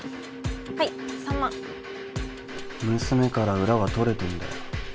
はい娘から裏は取れてんだよ。